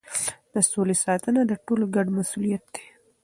د سولې ساتنه د ټولو ګډ مسؤلیت دی.